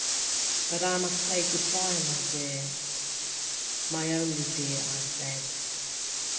But I must say Good bye, my dear, My only dear, I said.